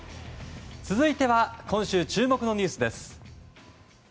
続いては今週注目のニュースです。